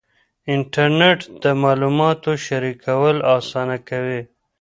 انټرنېټ د معلوماتو شریکول اسانه کوي.